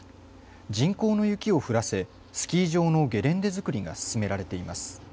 人工の雪を降らせスキー場のゲレンデ造りが進められています。